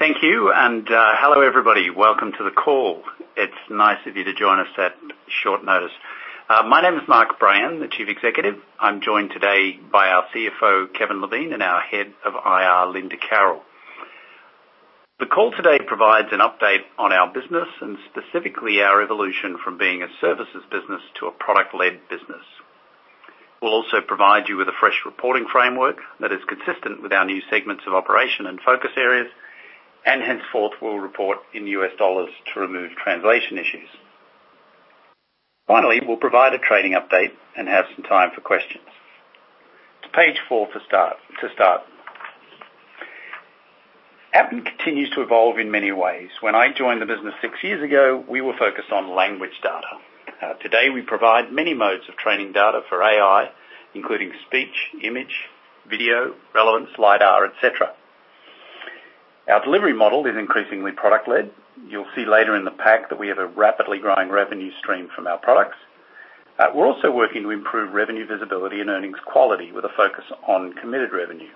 Thank you. Hello, everybody. Welcome to the call. It's nice of you to join us at short notice. My name is Mark Brayan, the Chief Executive. I'm joined today by our CFO, Kevin Levine, and our Head of IR, Linda Carroll. The call today provides an update on our business and specifically our evolution from being a services business to a product-led business. We'll also provide you with a fresh reporting framework that is consistent with our new segments of operation and focus areas, and henceforth will report in US dollars to remove translation issues. Finally, we'll provide a trading update and have some time for questions. To page four to start. Appen continues to evolve in many ways. When I joined the business six years ago, we were focused on language data. Today, we provide many modes of training data for AI, including speech, image, video, relevance, lidar, et cetera. Our delivery model is increasingly product-led. You'll see later in the pack that we have a rapidly growing revenue stream from our products. We're also working to improve revenue visibility and earnings quality with a focus on committed revenue.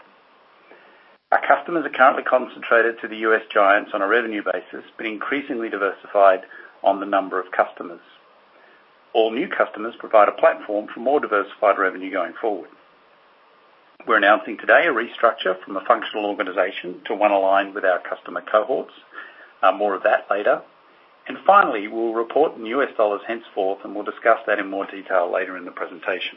Our customers are currently concentrated to the U.S. giants on a revenue basis, but increasingly diversified on the number of customers. All new customers provide a platform for more diversified revenue going forward. We're announcing today a restructure from a functional organization to one aligned with our customer cohorts. More of that later. Finally, we'll report in U.S. dollars henceforth, and we'll discuss that in more detail later in the presentation.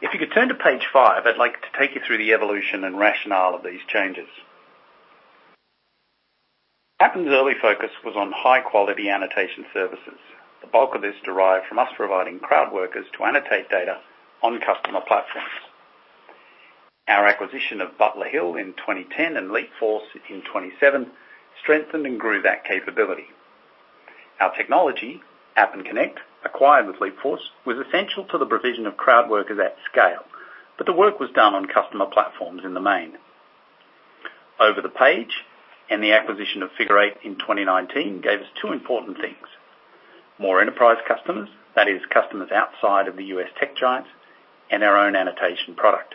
If you could turn to page five, I'd like to take you through the evolution and rationale of these changes. Appen's early focus was on high-quality annotation services. The bulk of this derived from us providing crowd workers to annotate data on customer platforms. Our acquisition of Butler Hill in 2010 and Leapforce in 2017 strengthened and grew that capability. Our technology, Appen Connect, acquired with Leapforce, was essential to the provision of crowd workers at scale, but the work was done on customer platforms in the main. Over the page, the acquisition of Figure Eight in 2019 gave us two important things: more enterprise customers, that is customers outside of the U.S. tech giants, and our own annotation product.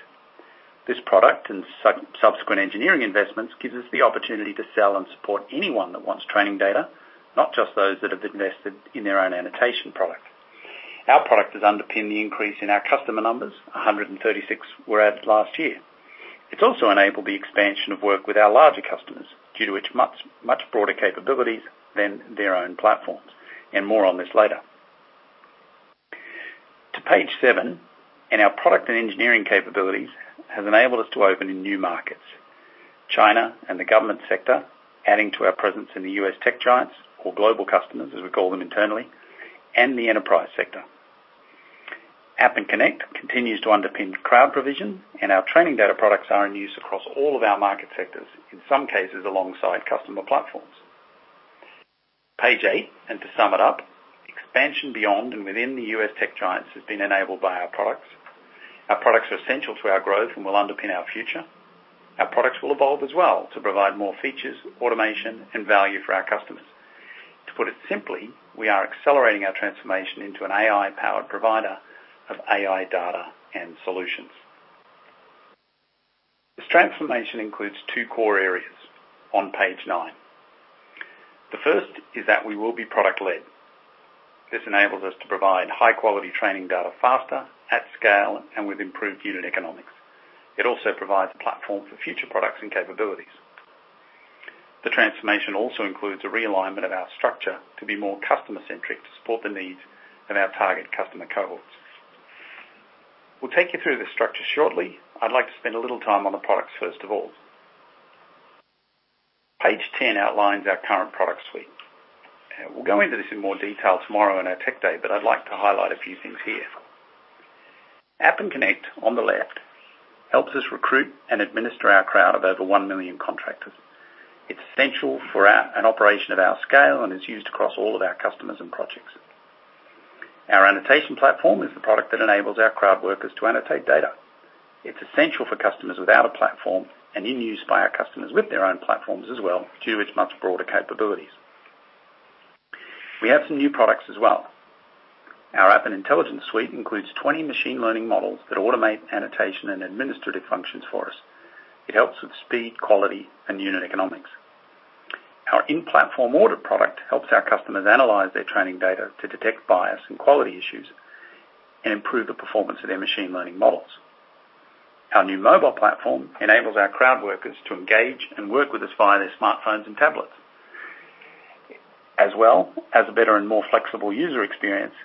This product and subsequent engineering investments gives us the opportunity to sell and support anyone that wants training data, not just those that have invested in their own annotation product. Our product has underpinned the increase in our customer numbers, 136 were added last year. More on this later. To page seven, and our product and engineering capabilities has enabled us to open in new markets. China and the Government sector, adding to our presence in the U.S. tech giants or global customers, as we call them internally, and the Enterprise sector. Appen Connect continues to underpin crowd provision, and our training data products are in use across all of our market sectors, in some cases, alongside customer platforms. Page eight, and to sum it up, expansion beyond and within the U.S. tech giants has been enabled by our products. Our products are essential to our growth and will underpin our future. Our products will evolve as well to provide more features, automation, and value for our customers. To put it simply, we are accelerating our transformation into an AI-powered provider of AI data and solutions. This transformation includes two core areas on page nine. The first is that we will be product-led. This enables us to provide high-quality training data faster, at scale, and with improved unit economics. It also provides a platform for future products and capabilities. The transformation also includes a realignment of our structure to be more customer-centric to support the needs of our target customer cohorts. We will take you through the structure shortly. I would like to spend a little time on the products first of all. Page 10 outlines our current product suite. We will go into this in more detail tomorrow on our tech day, but I would like to highlight a few things here. Appen Connect on the left helps us recruit and administer our crowd of over 1 million contractors. It's essential for an operation of our scale and is used across all of our customers and projects. Our annotation platform is the product that enables our crowd workers to annotate data. It's essential for customers without a platform and in use by our customers with their own platforms as well, due to its much broader capabilities. We have some new products as well. Our Appen Intelligence suite includes 20 machine learning models that automate annotation and administrative functions for us. It helps with speed, quality, and unit economics. Our in-platform audit product helps our customers analyze their training data to detect bias and quality issues and improve the performance of their machine learning models. Our new mobile platform enables our crowd workers to engage and work with us via their smartphones and tablets. As well as a better and more flexible user experience,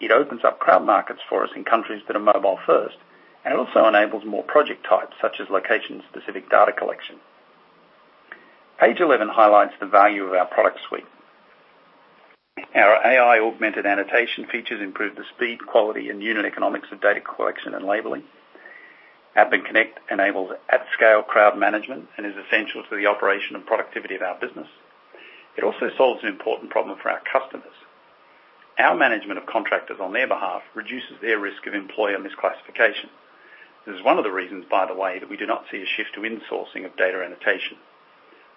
it opens up crowd markets for us in countries that are mobile first and also enables more project types, such as location-specific data collection. Page 11 highlights the value of our product suite. Our AI-augmented annotation features improve the speed, quality, and unit economics of data collection and labeling. Appen Connect enables at-scale crowd management and is essential to the operation and productivity of our business. It also solves an important problem for our customers. Our management of contractors on their behalf reduces their risk of employer misclassification. This is one of the reasons, by the way, that we do not see a shift to insourcing of data annotation.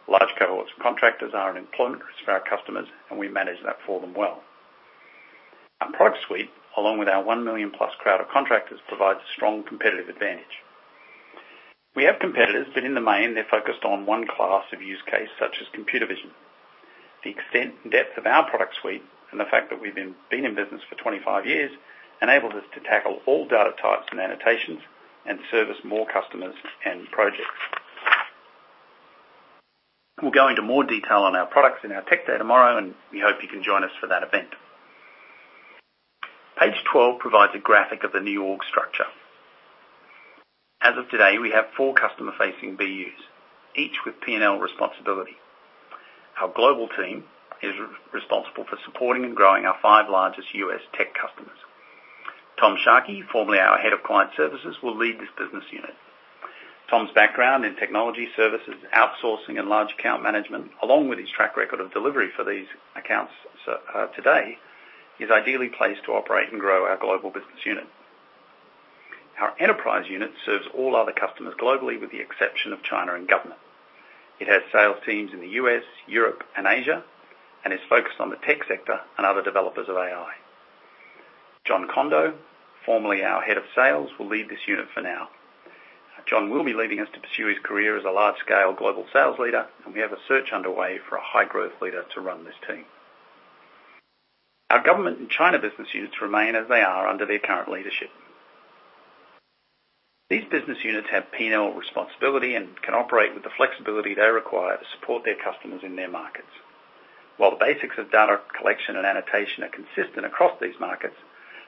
Large cohorts of contractors are an employment risk for our customers, and we manage that for them well. Our product suite, along with our 1 million+ crowd of contractors, provides a strong competitive advantage. We have competitors, but in the main, they're focused on one class of use case such as computer vision. The extent and depth of our product suite and the fact that we've been in business for 25 years enables us to tackle all data types and annotations and service more customers and projects. We'll go into more detail on our products in our tech day tomorrow, and we hope you can join us for that event. Page 12 provides a graphic of the new org structure. As of today, we have four customer-facing BUs, each with P&L responsibility. Our global team is responsible for supporting and growing our five largest U.S. tech customers. Tom Sharkey, formerly our head of client services, will lead this business unit. Tom's background in technology services, outsourcing, and large account management, along with his track record of delivery for these accounts today, is ideally placed to operate and grow our Global business unit. Our Enterprise unit serves all other customers globally with the exception of China and Government. It has sales teams in the U.S., Europe and Asia and is focused on the tech sector and other developers of AI. Jon Kondo, formerly our head of sales, will lead this unit for now. Jon will be leaving us to pursue his career as a large-scale global sales leader, and we have a search underway for a high-growth leader to run this team. Our Government and China business units remain as they are under their current leadership. These business units have P&L responsibility and can operate with the flexibility they require to support their customers in their markets. While the basics of data collection and annotation are consistent across these markets,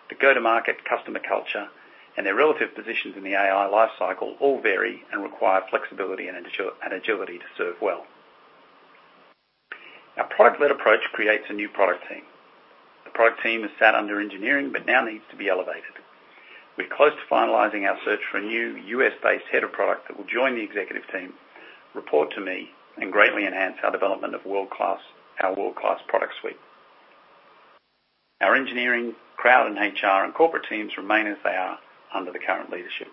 the go-to-market customer culture and their relative positions in the AI life cycle all vary and require flexibility and agility to serve well. Our product-led approach creates a new product team. The product team is sat under engineering but now needs to be elevated. We're close to finalizing our search for a new U.S.-based head of product that will join the executive team, report to me, and greatly enhance our development of our world-class product suite. Our engineering, crowd, HR, and corporate teams remain as they are under their current leadership.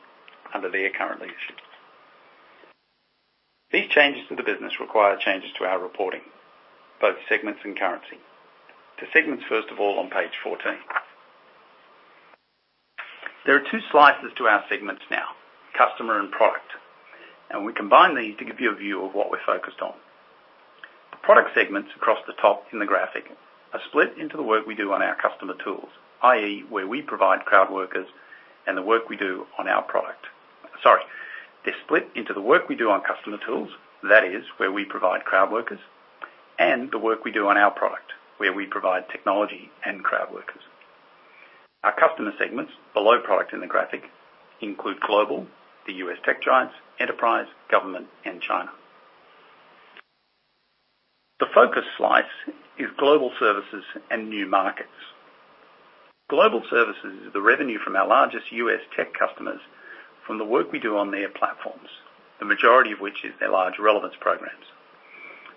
These changes to the business require changes to our reporting, both segments and currency. To segments, first of all, on page 14. There are two slices to our segments now, customer and product. We combine these to give you a view of what we're focused on. The product segments across the top in the graphic are split into the work we do on our customer tools, i.e., where we provide crowd workers and the work we do on our product. Sorry. They're split into the work we do on customer tools, that is where we provide crowd workers, and the work we do on our product, where we provide technology and crowd workers. Our customer segments, below product in the graphic, include Global, the U.S. tech giants, Enterprise, Government, and China. The focus slice is Global Services and New Markets. Global Services is the revenue from our largest U.S. tech customers from the work we do on their platforms, the majority of which is their large relevance programs.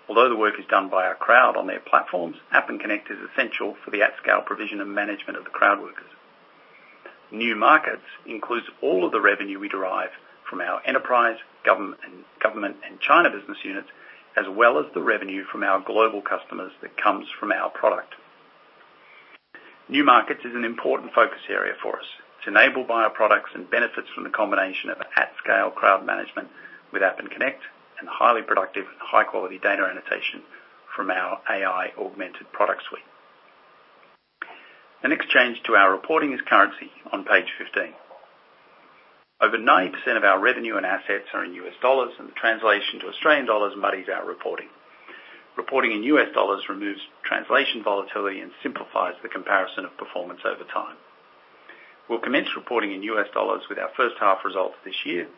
Although the work is done by our crowd on their platforms, Appen Connect is essential for the at-scale provision and management of the crowd workers. New markets includes all of the revenue we derive from our Enterprise, Government, and China business units, as well as the revenue from our global customers that comes from our product. New markets is an important focus area for us. It's enabled by our products and benefits from the combination of at-scale crowd management with Appen Connect and highly productive and high-quality data annotation from our AI augmented product suite. The next change to our reporting is currency on page 15. Over 90% of our revenue and assets are in U.S. dollars and the translation to Australian dollars muddies our reporting. Reporting in US dollars removes translation volatility and simplifies the comparison of performance over time. We'll commence reporting in U.S. dollars with our first half results this year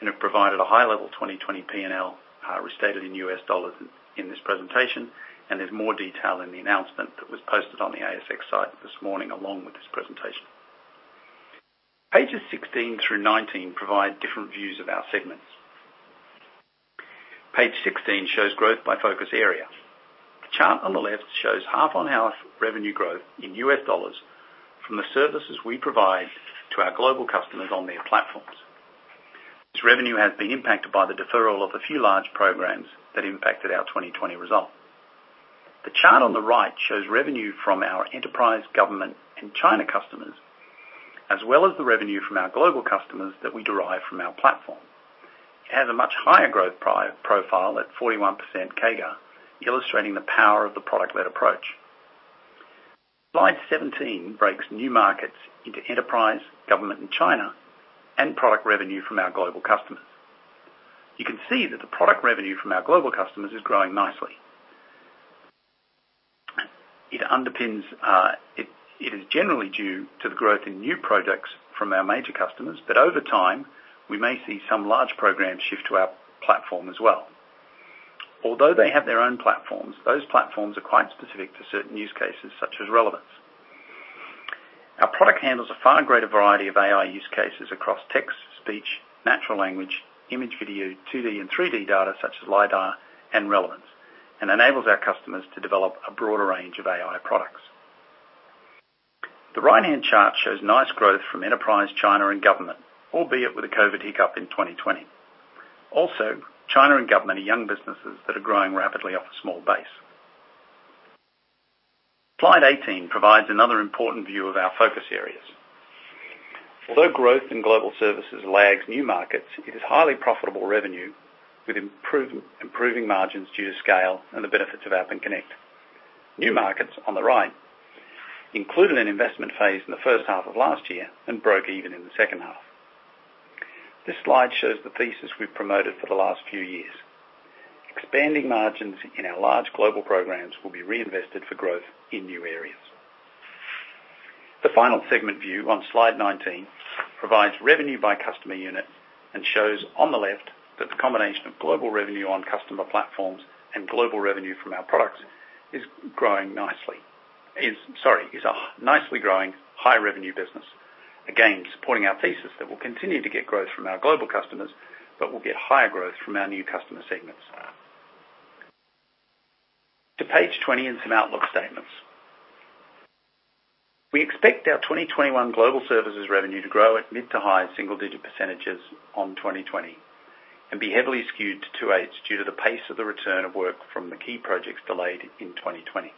and have provided a high-level 2020 P&L restated in U.S. dollars in this presentation. There's more detail in the announcement that was posted on the ASX site this morning along with this presentation. Pages 16 through 19 provide different views of our segments. Page 16 shows growth by focus area. The chart on the left shows half on half revenue growth in U.S. dollars from the services we provide to our global customers on their platforms. This revenue has been impacted by the deferral of a few large programs that impacted our 2020 result. The chart on the right shows revenue from our Enterprise, Government, and China customers, as well as the revenue from our global customers that we derive from our platform. It has a much higher growth profile at 41% CAGR, illustrating the power of the product-led approach. Slide 17 breaks new markets into Enterprise, Government, and China, and product revenue from our global customers. You can see that the product revenue from our global customers is growing nicely. It is generally due to the growth in new products from our major customers. Over time, we may see some large programs shift to our platform as well. Although they have their own platforms, those platforms are quite specific to certain use cases such as relevance. Our product handles a far greater variety of AI use cases across text, speech, natural language, image, video, 2D and 3D data such as lidar and relevance, and enables our customers to develop a broader range of AI products. The right-hand chart shows nice growth from Enterprise, China, and Government, albeit with a COVID hiccup in 2020. China and Government are young businesses that are growing rapidly off a small base. Slide 18 provides another important view of our focus areas. Growth in global services lags new markets, it is highly profitable revenue with improving margins due to scale and the benefits of Appen Connect. New markets, on the right, included an investment phase in the first half of last year and broke even in the second half. This slide shows the thesis we've promoted for the last few years. Expanding margins in our large global programs will be reinvested for growth in new areas. The final segment view on slide 19 provides revenue by customer unit and shows on the left that the combination of global revenue on customer platforms and global revenue from our products is a nicely growing high revenue business. Again, supporting our thesis that we'll continue to get growth from our global customers, but we'll get higher growth from our new customer segments. To page 20 and some outlook statements. We expect our 2021 global services revenue to grow at mid to high single digit percentages on 2020 and be heavily skewed to 2H due to the pace of the return of work from the key projects delayed in 2020.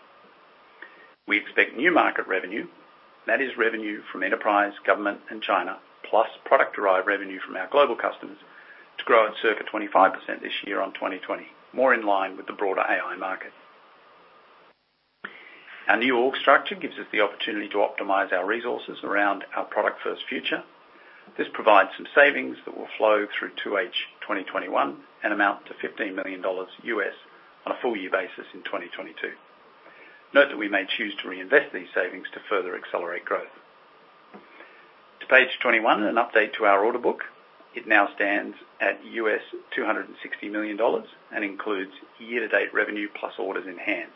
We expect new market revenue, that is revenue from Enterprise, Government, and China, plus product-derived revenue from our global customers to grow at circa 25% this year on 2020, more in line with the broader AI market. Our new org structure gives us the opportunity to optimize our resources around our product-first future. This provides some savings that will flow through 2H 2021 and amount to $15 million on a full year basis in 2022. Note that we may choose to reinvest these savings to further accelerate growth. To page 21, an update to our order book. It now stands at $260 million and includes year-to-date revenue plus orders in hand.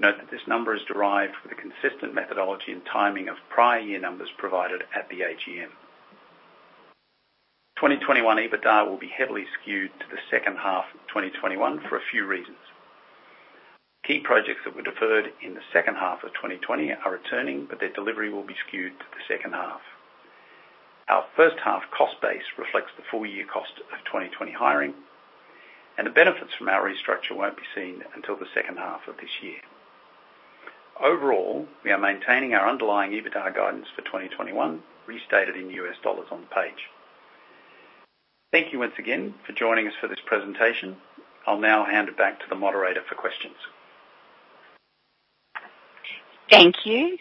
Note that this number is derived from the consistent methodology and timing of prior year numbers provided at the AGM. 2021 EBITDA will be heavily skewed to the second half of 2021 for a few reasons. Key projects that were deferred in the second half of 2020 are returning, but their delivery will be skewed to the second half. Our first half cost base reflects the full year cost of 2020 hiring, and the benefits from our restructure won't be seen until the second half of this year. Overall, we are maintaining our underlying EBITDA guidance for 2021, restated in U.S. dollars on the page. Thank you once again for joining us for this presentation. I'll now hand it back to the moderator for questions. Thank you.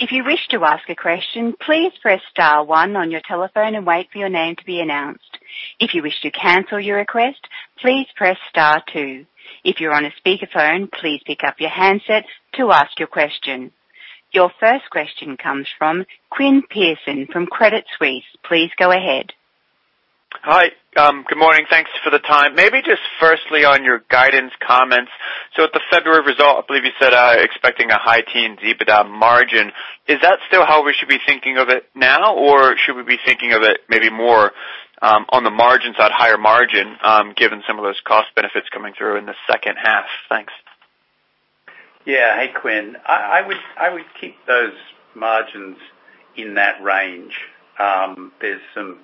If you wish to ask a question, please press star one on your telephone and wait for your name to be announced. If you wish to cancel your request, please press star two. If you're on a speakerphone, please pick up your handsets to ask your question. Your first question comes from Quinn Pierson from Credit Suisse. Please go ahead. Hi. Good morning. Thanks for the time. Firstly on your guidance comments. At the February result, I believe you said expecting a high-teen EBITDA margin. Is that still how we should be thinking of it now? Should we be thinking of it maybe more on the margins, on higher margin, given some of those cost benefits coming through in the second half? Thanks. Yeah. Hey, Quinn. I would keep those margins in that range. There's some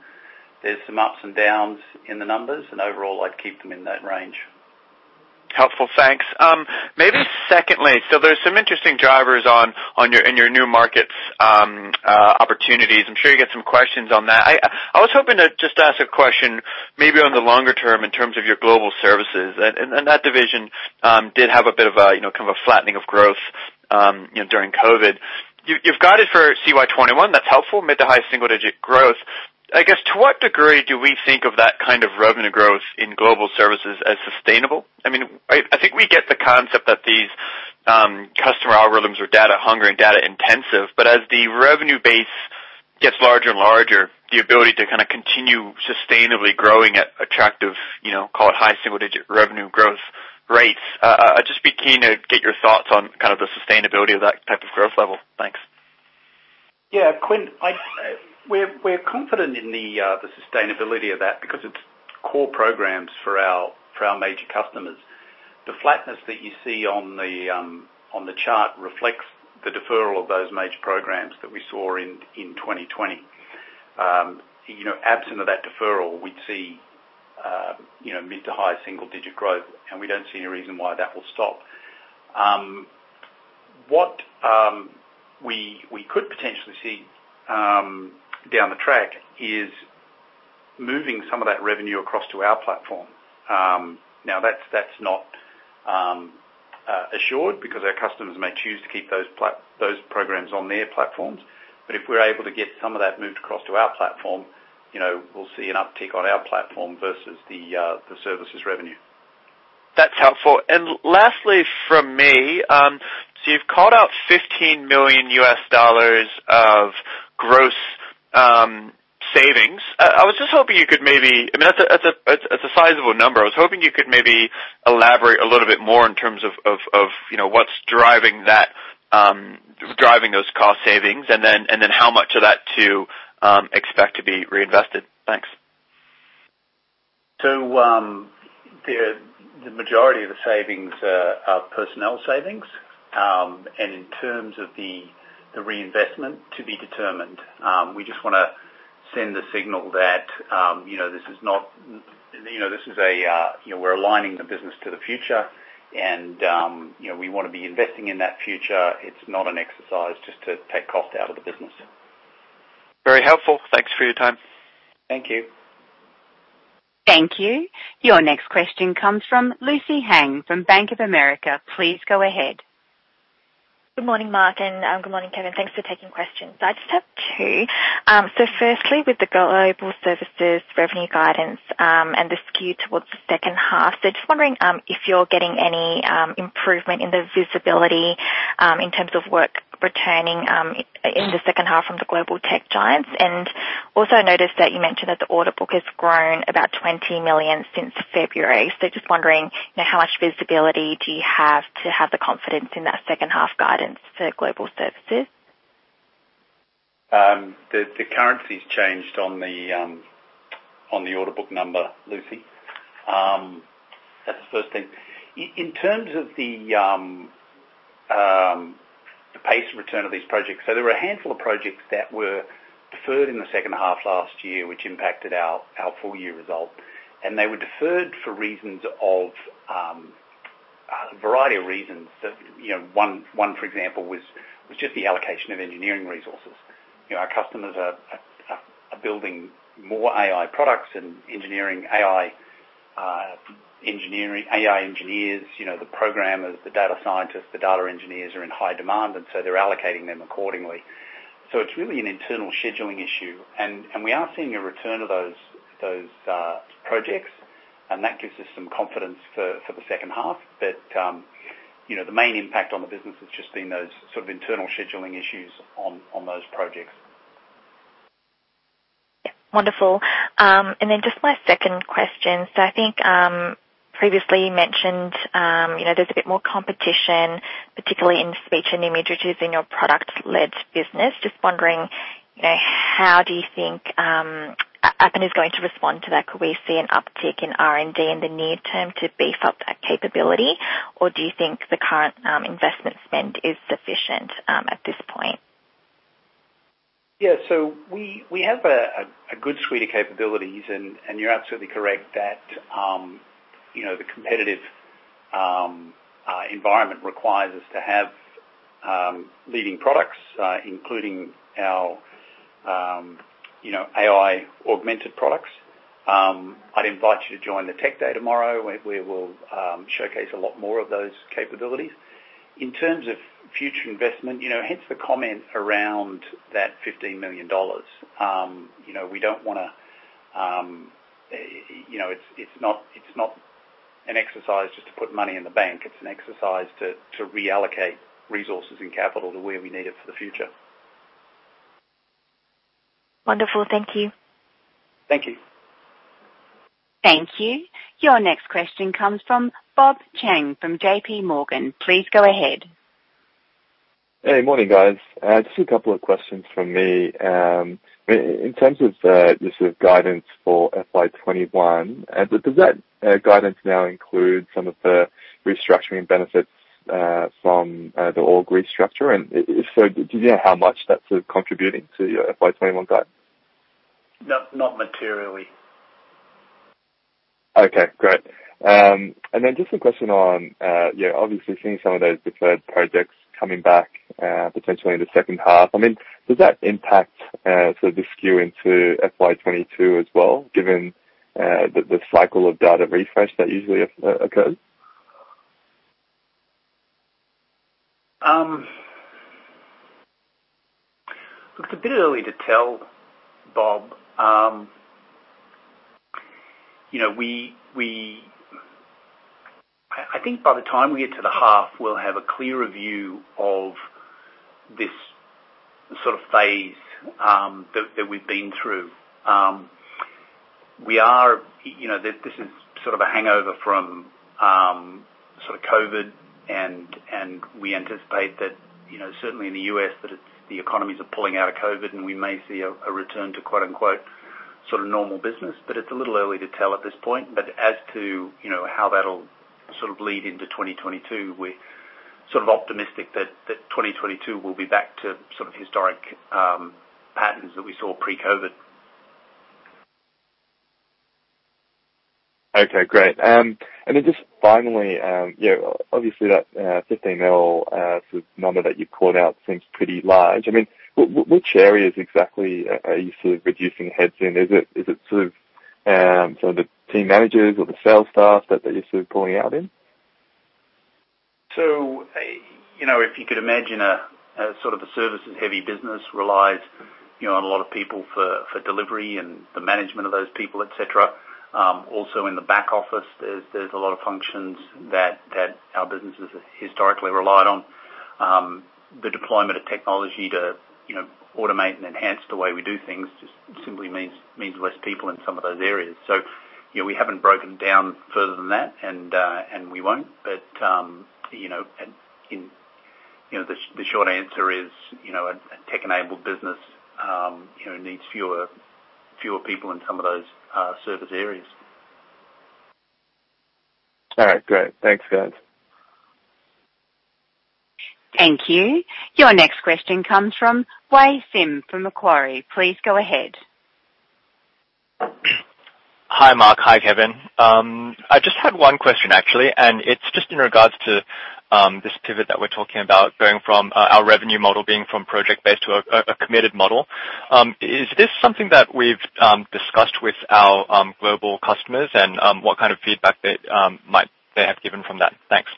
ups and downs in the numbers. Overall, I'd keep them in that range. Helpful. Thanks. Maybe secondly, there's some interesting drivers in your new markets opportunities. I'm sure you get some questions on that. I was hoping to just ask a question maybe on the longer term in terms of your global services. That division did have a bit of a flattening of growth during COVID. You've guided for CY 2021, that's helpful, mid to high single-digit growth. I guess to what degree do we think of that kind of revenue growth in global services as sustainable? I think we get the concept that these customer algorithms are data hungry and data intensive, but as the revenue base gets larger and larger, the ability to continue sustainably growing at attractive, call it high single-digit revenue growth rates. I'd just be keen to get your thoughts on the sustainability of that type of growth level. Thanks. Yeah, Quinn, we're confident in the sustainability of that because it's core programs for our major customers. The flatness that you see on the chart reflects the deferral of those major programs that we saw in 2020. Absent of that deferral, we'd see mid to high single digit growth, and we don't see any reason why that will stop. What we could potentially see down the track is moving some of that revenue across to our platform. Now, that's not assured because our customers may choose to keep those programs on their platforms. If we're able to get some of that moved across to our platform, we'll see an uptick on our platform versus the services revenue. That's helpful. Lastly from me, you've called out $15 million of gross savings. That's a sizable number. I was hoping you could maybe elaborate a little bit more in terms of what's driving those cost savings and then how much of that to expect to be reinvested. Thanks. The majority of the savings are personnel savings. In terms of the reinvestment, to be determined. We just want to send the signal that we're aligning the business to the future and we want to be investing in that future. It's not an exercise just to take cost out of the business. Very helpful. Thanks for your time. Thank you. Thank you. Your next question comes from Lucy Huang from Bank of America. Please go ahead. Good morning, Mark, and good morning, Kevin. Thanks for taking questions. I just have two. Firstly, with the Global Services revenue guidance and the skew towards the second half. Just wondering if you're getting any improvement in the visibility in terms of work returning in the second half from the global tech giants. Also noticed that you mentioned that the order book has grown about $20 million since February. Just wondering now how much visibility do you have to have the confidence in that second half guidance for Global Services? The currency's changed on the order book number, Lucy. That's the first thing. In terms of the pace of return of these projects, so there were a handful of projects that were deferred in the second half last year, which impacted our full year result. They were deferred for a variety of reasons. One, for example, was just the allocation of engineering resources. Our customers are building more AI products and AI engineers, the programmers, the data scientists, the data engineers are in high demand, and so they're allocating them accordingly. It's really an internal scheduling issue. We are seeing a return of those projects, and that gives us some confidence for the second half. The main impact on the business has just been those internal scheduling issues on those projects. Wonderful. Just my second question. I think previously you mentioned there's a bit more competition, particularly in speech and images using your product led business. Just wondering, how do you think Appen is going to respond to that? Could we see an uptick in R&D in the near term to beef up that capability? Do you think the current investment spend is sufficient at this point? Yeah. We have a good suite of capabilities, and you're absolutely correct that the competitive environment requires us to have leading products, including our AI augmented products. I'd invite you to join the tech day tomorrow, where we will showcase a lot more of those capabilities. In terms of future investment, hence the comment around that $15 million. It's not an exercise just to put money in the bank. It's an exercise to reallocate resources and capital to where we need it for the future. Wonderful. Thank you. Thank you. Thank you. Your next question comes from Bob Chen from JPMorgan. Please go ahead. Hey, morning, guys. Just a couple of questions from me. In terms of the guidance for FY 2021, does that guidance now include some of the restructuring benefits from the org restructure? Do you know how much that's contributing to your FY 2021 guide? Not materially. Okay, great. Then just a question on, obviously seeing some of those deferred projects coming back potentially in the second half. Does that impact the skew into FY 2022 as well, given the cycle of data refresh that usually occurs? Look, it's a bit early to tell, Bob. I think by the time we get to the half, we'll have a clearer view of this phase that we've been through. This is a hangover from COVID, and we anticipate that certainly in the U.S., that the economies are pulling out of COVID, and we may see a return to quote unquote, "normal business." It's a little early to tell at this point. As to how that'll lead into 2022, we're optimistic that 2022 will be back to historic patterns that we saw pre-COVID. Okay, great. Just finally, obviously that $15 million number that you called out seems pretty large. Which areas exactly are you reducing heads in? Is it the team managers or the sales staff that you're pulling out in? If you could imagine a services-heavy business relies on a lot of people for delivery and the management of those people, et cetera. Also in the back office, there is a lot of functions that our businesses historically relied on. The deployment of technology to automate and enhance the way we do things just simply means less people in some of those areas. We haven't broken down further than that, and we won't. The short answer is, a tech-enabled business needs fewer people in some of those service areas. All right, great. Thanks, guys. Thank you. Your next question comes from Wei Sim from Macquarie. Please go ahead. Hi, Mark. Hi, Kevin. I just had one question, actually. It's just in regards to this pivot that we're talking about going from our revenue model being from project-based to a committed model. Is this something that we've discussed with our global customers and what kind of feedback might they have given from that? Thanks.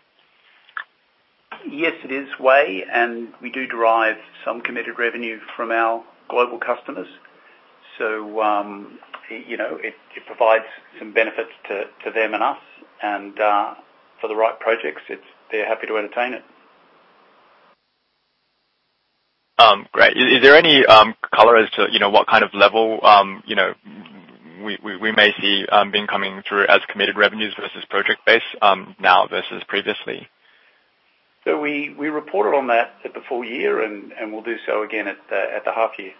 Yes, it is, Wei, we do derive some committed revenue from our global customers. It provides some benefits to them and us, and for the right projects, they're happy to entertain it. Great. Is there any color as to what kind of level we may see incoming through as committed revenues versus project-based now versus previously? We report on that at the full year and we'll do so again at the half year.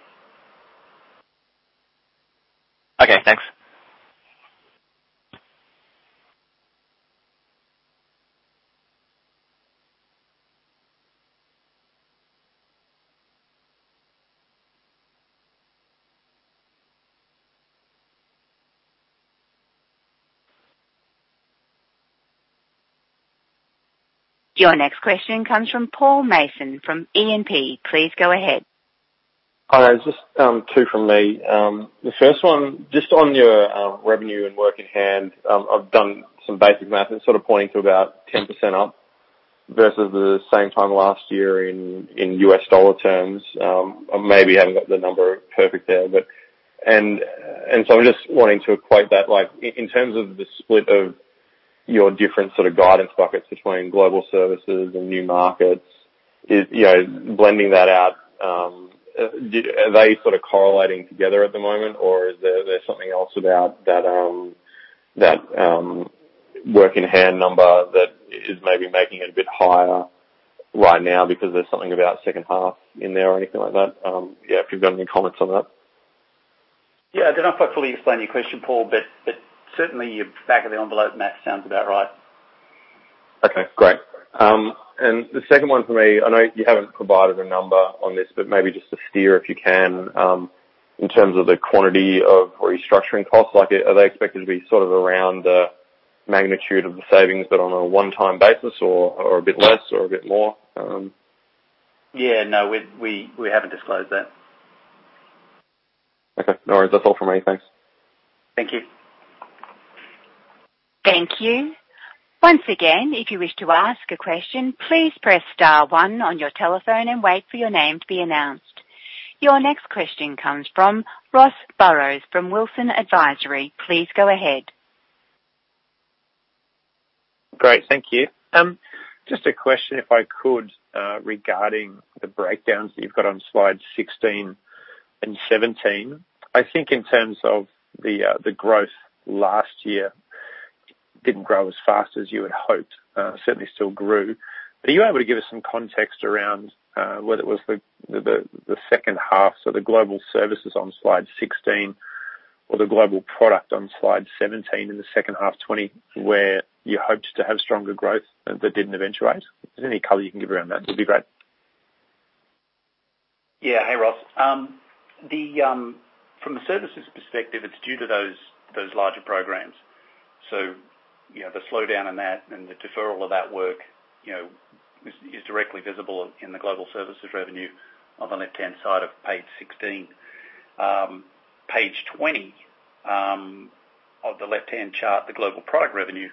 Okay, thanks. Your next question comes from Paul Mason from E&P. Please go ahead. Hi, just two from me. The first one, just on your revenue and work in hand, I've done some basic math. It's pointing to about 10% up versus the same time last year in U.S. dollar terms. I maybe haven't got the number perfect there. I'm just wanting to equate that, in terms of the split of your different guidance buckets between global services and new markets, blending that out, are they correlating together at the moment or is there something else about that work in hand number that is maybe making it a bit higher right now because there's something about second half in there or anything like that? If you've got any comments on that. Yeah, I don't know if I fully understand your question, Paul, but certainly your back of the envelope math sounds about right. Okay, great. The second one for me, I know you haven't provided a number on this, but maybe just a steer if you can, in terms of the quantity of restructuring costs. Are they expected to be around the magnitude of the savings, but on a one-time basis or a bit less or a bit more? Yeah, no, we haven't disclosed that. Okay. No worries. That's all from me. Thanks. Thank you. Thank you. Once again, if you wish to ask a question, please press star one on your telephone and wait for your name to be announced. Your next question comes from Ross Barrows from Wilsons Advisory. Please go ahead. Great. Thank you. Just a question if I could, regarding the breakdowns that you've got on slide 16 and 17. I think in terms of the growth last year, didn't grow as fast as you had hoped. Certainly still grew. Are you able to give us some context around whether it was the second half, so the global services on slide 16 or the Global Product on slide 17 in the second half 2020 where you hoped to have stronger growth but didn't eventuate? Any color you can give around that would be great. Yeah. Hey, Ross. From a services perspective, it's due to those larger programs. The slowdown in that and the deferral of that work is directly visible in the global services revenue on the left-hand side of page 16. Page 20, on the left-hand chart, the Global Product revenue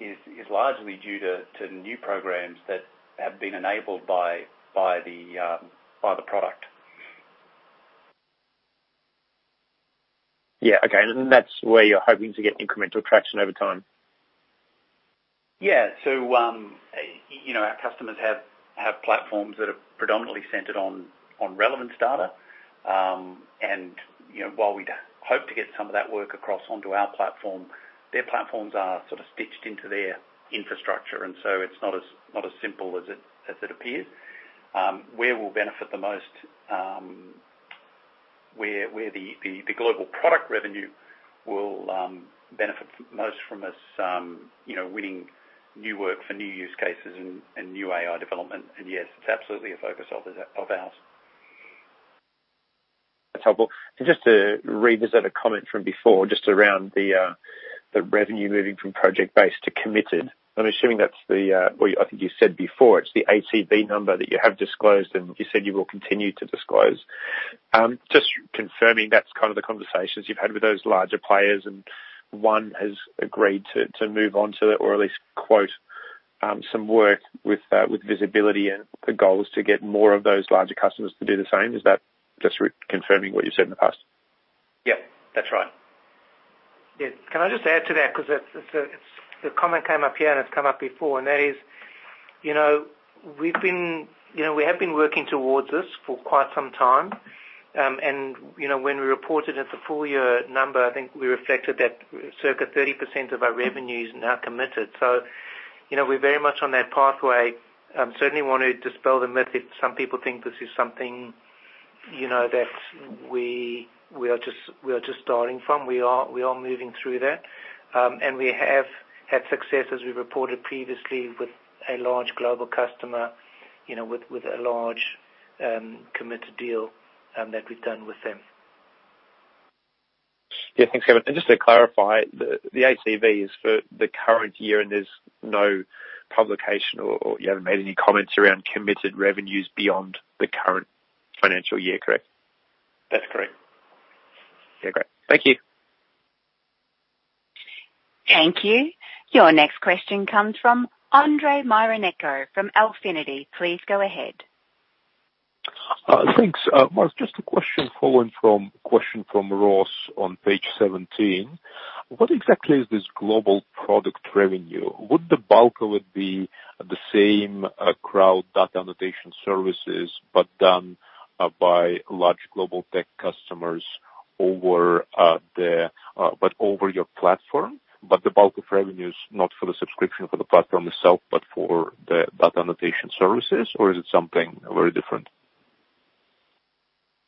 is largely due to the new programs that have been enabled by the product. Yeah. Okay. That's where you're hoping to get incremental traction over time? Yeah. Our customers have platforms that are predominantly centered on relevance data. While we hope to get some of that work across onto our platform, their platforms are stitched into their infrastructure, and so it's not as simple as it appears. Where the Global Product revenue will benefit most from us winning new work for new use cases and new AI development, and yes, it's absolutely a focus of ours. That's helpful. Just to revisit a comment from before, just around the revenue moving from project-based to committed. I'm assuming that's the, well, I think you said before it's the ACV number that you have disclosed, and you said you will continue to disclose. Just confirming that's the conversations you've had with those larger players and one has agreed to move on to that, or at least quote some work with visibility and the goal is to get more of those larger customers to do the same. Is that just confirming what you said to us? Yep, that's right. Yeah, can I just add to that? Because the comment came up here, and it's come up before, and that is, we have been working towards this for quite some time. When we reported it as a full-year number, I think we reflected that circa 30% of our revenue is now committed. We're very much on that pathway. Certainly want to dispel the myth that some people think this is something that we are just starting from. We are moving through that. We have had success, as we reported previously, with a large global customer, with a large committed deal that we've done with them. Yeah, thanks, Kevin. Just to clarify, the ACV is for the current year, and there's no publication or making comments around committed revenues beyond the current financial year, correct? That's correct. Okay. Thank you. Thank you. Your next question comes from Andrey Mironenko from Alphinity. Please go ahead. Thanks. Mark, just a question following from a question from Ross on page 17. What exactly is this Global Product revenue? Would the bulk of it be the same crowd data annotation services but done by large global tech customers but over your platform? The bulk of revenue is not for the subscription for the platform itself but for the data annotation services, or is it something very different?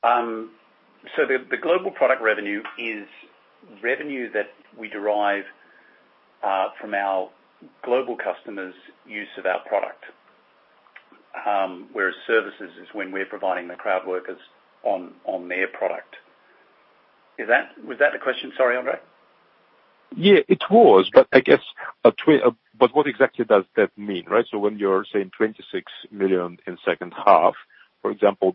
The Global Product revenue is revenue that we derive from our global customers' use of our product. Whereas services is when we're providing the crowd workers on their product. Was that the question, sorry, Andrey? Yeah, it was. What exactly does that mean? When you are saying $26 million in the second half, for example,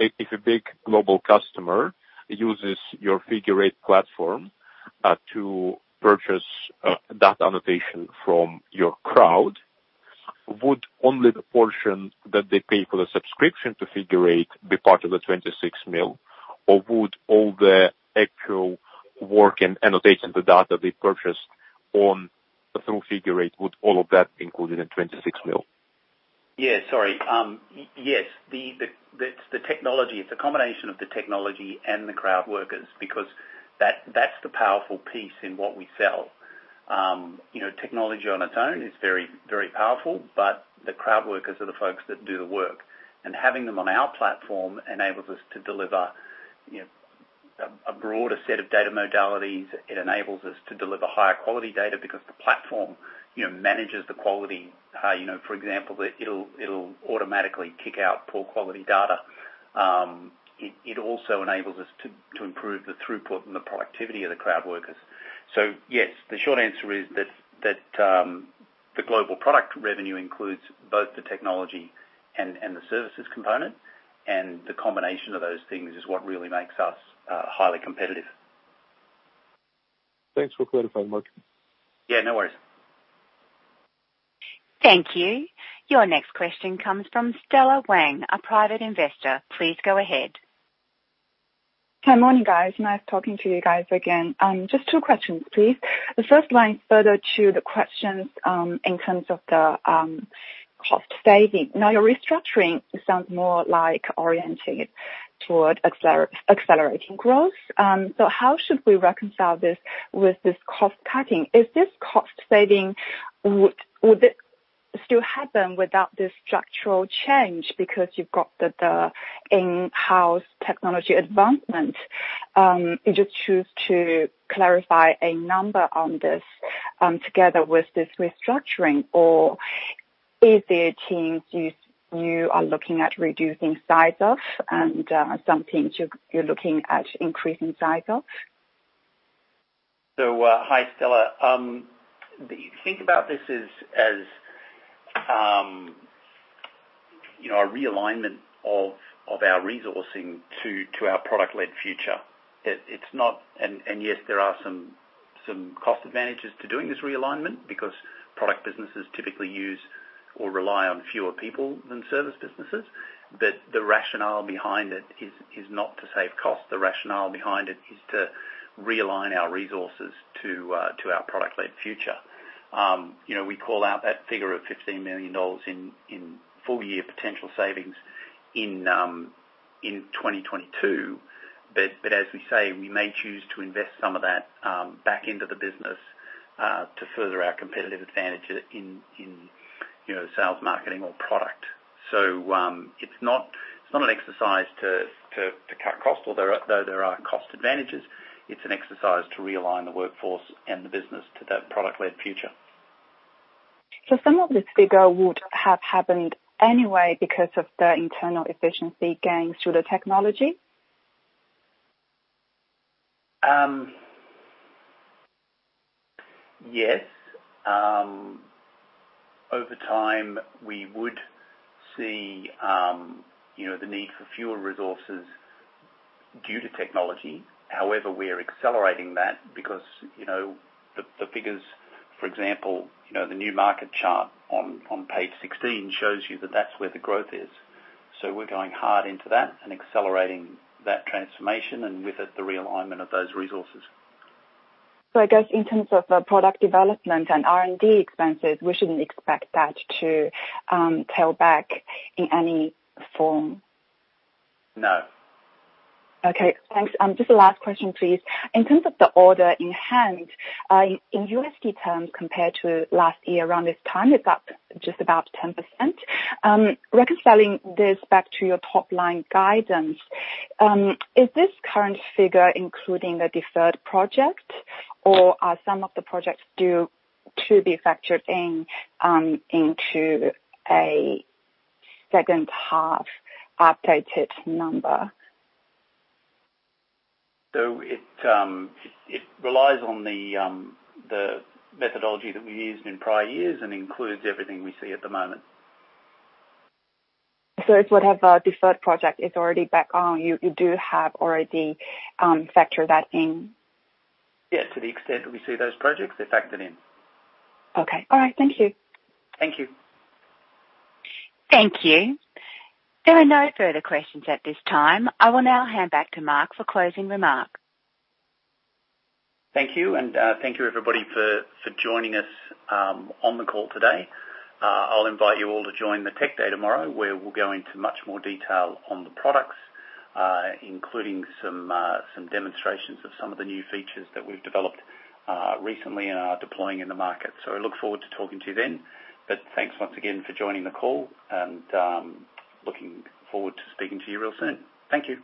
if a big global customer uses your Figure Eight platform to purchase data annotation from your crowd, would only the portion that they pay for the subscription to Figure Eight be part of the $26 million, or would all the actual work and annotation, the data they purchased through Figure Eight, would all of that be included in $26 million? Yeah, sorry. Yes, it's a combination of the technology and the crowd workers because that's the powerful piece in what we sell. Technology on its own is very powerful, but the crowd workers are the folks that do the work. Having them on our platform enables us to deliver a broader set of data modalities. It enables us to deliver higher quality data because the platform manages the quality. For example, it'll automatically kick out poor quality data. It also enables us to improve the throughput and the productivity of the crowd workers. Yes, the short answer is that the Global Product revenue includes both the technology and the services component, and the combination of those things is what really makes us highly competitive. Thanks for clarifying, Mark. Yeah, no worries. Thank you. Your next question comes from Stella Wang, a private investor. Please go ahead. Hi, Mark. Nice talking to you guys again. Just two questions, please. The first one is further to the questions in terms of the cost saving. Your restructuring sounds more oriented toward accelerating growth. How should we reconcile this with this cost cutting? Is this cost saving, would it still happen without this structural change because you've got the in-house technology advancement? Would you choose to clarify a number on this together with this restructuring, or is there changes you are looking at reducing size of and some things you're looking at increasing size of? Hi, Stella. Think about this as a realignment of our resourcing to our product-led future. Yes, there are some cost advantages to doing this realignment because product businesses typically use or rely on fewer people than service businesses. The rationale behind it is not to save cost. The rationale behind it is to realign our resources to our product-led future. We call out that figure of $15 million in full-year potential savings in 2022. As we say, we may choose to invest some of that back into the business to further our competitive advantage in sales, marketing, or product. It's not an exercise to cut costs, although there are cost advantages. It's an exercise to realign the workforce and the business to that product-led future. Some of this figure would have happened anyway because of the internal efficiency gains through the technology? Yes. Over time, we would see the need for fewer resources due to technology. We are accelerating that because the figures, for example, the new market chart on page 16 shows you that that's where the growth is. We're going hard into that and accelerating that transformation and with it the realignment of those resources. I guess in terms of the product development and R&D expenses, we shouldn't expect that to pare back in any form? No. Okay. Thanks. Just a last question, please. In terms of the order in hand, in USD terms compared to last year around this time, it's up just about 10%. Reconciling this back to your top-line guidance, is this current figure including the deferred project, or are some of the projects due to be factored in into a second half updated number? It relies on the methodology that we used in prior years and includes everything we see at the moment. It would have the deferred project. It's already back on. You do have already factored that in? Yes. To the extent that we see those projects, they're factored in. Okay. All right. Thank you. Thank you. Thank you. There are no further questions at this time. I will now hand back to Mark for closing remarks. Thank you, thank you, everybody, for joining us on the call today. I'll invite you all to join the Tech Day tomorrow, where we'll go into much more detail on the products, including some demonstrations of some of the new features that we've developed recently and are deploying in the market. I look forward to talking to you then. Thanks once again for joining the call, and looking forward to speaking to you real soon. Thank you.